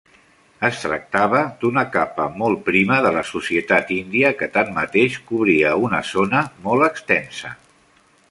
Es tractava d'una capa molt prima de la societat índia que, tanmateix, cobria una zona molt extensa.